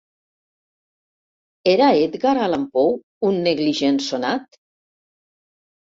Era Edgar Allan Poe un negligent sonat?